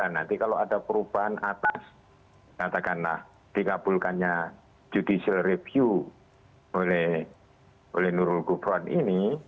nanti kalau ada perubahan atas katakanlah dikabulkannya judicial review oleh nurul gufron ini